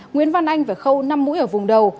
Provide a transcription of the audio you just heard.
nguyễn văn anh phải khâu năm mũi ở vùng đầu